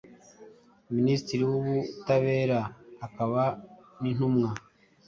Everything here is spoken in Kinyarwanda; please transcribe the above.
Minisitiri w’Ubutabera akaba n’Intumwa